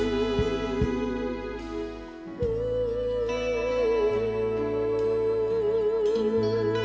serahkan duka gembiramu agar demam senantiasa hatimu